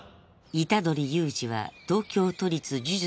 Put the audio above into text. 虎杖悠仁は東京都立呪術